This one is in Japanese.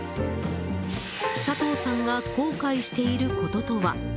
佐藤さんが後悔していることとは。